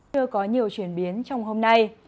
chưa có nhiều chuyển biến trong hôm nay